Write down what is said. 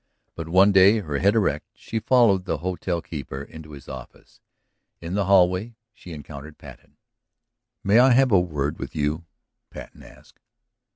But one day, her head erect, she followed the hotel keeper into his office. In the hallway she encountered Patten. "May I have a word with you?" Patten asked.